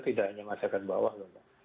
tidak hanya masyarakat bawah lho